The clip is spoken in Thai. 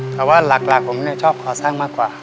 แต่ว่าหลักผมชอบก่อสร้างมากกว่า